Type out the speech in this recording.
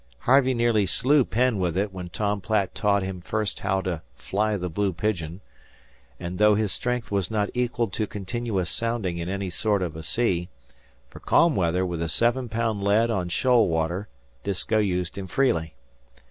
Harvey nearly slew Penn with it when Tom Platt taught him first how to "fly the blue pigeon"; and, though his strength was not equal to continuous sounding in any sort of a sea, for calm weather with a seven pound lead on shoal water Disko used him freely.